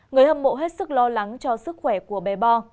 người hâm mộ hết sức lo lắng cho sức khỏe của bé bo